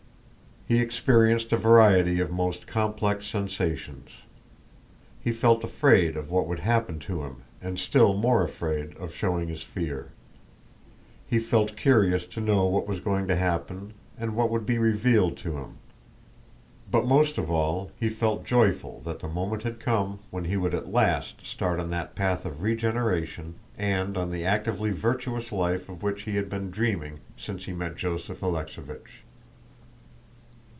He experienced a variety of most complex sensations. He felt afraid of what would happen to him and still more afraid of showing his fear. He felt curious to know what was going to happen and what would be revealed to him; but most of all, he felt joyful that the moment had come when he would at last start on that path of regeneration and on the actively virtuous life of which he had been dreaming since he met Joseph Alexéevich.